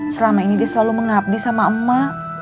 selama ini dia selalu mengabdi sama emak